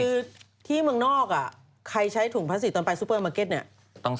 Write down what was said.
คือที่เมืองนอกใครใช้ถุงพลาสติกตอนไปซูเปอร์มาร์เก็ตเนี่ย